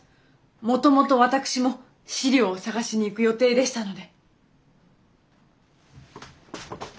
もともと私も資料を探しに行く予定でしたので。